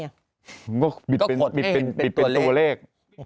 ผมก็บิดเป็นตัวเลข